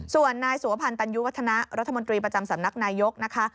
ส่วนนายสุวพันธ์ตันยุวัฒนะรัฐมนตรีประจำสำนักนายกนะคะ